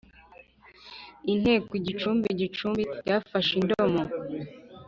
inteko igicumbi igicumbi byafashe indomo